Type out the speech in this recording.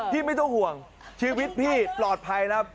พี่ไม่ต้องห่วงชีวิตพี่ปลอดภัยนะ